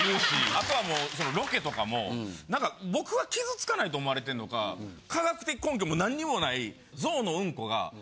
あとはもうロケとかも僕は傷つかないと思われてるのか科学的根拠も何もない。